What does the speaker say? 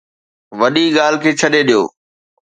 وڏي ڳالهه کي ڇڏي ڏيو